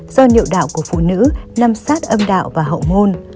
do điệu đạo của phụ nữ nằm sát âm đạo và hậu môn